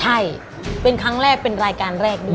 ใช่เป็นครั้งแรกเป็นรายการแรกด้วย